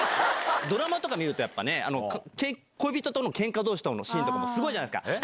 ドラマとか見ると、やっぱりね、恋人とかのけんかのシーンとかもすごいじゃないですか。